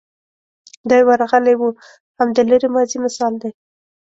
دی ورغلی و هم د لرې ماضي مثال دی.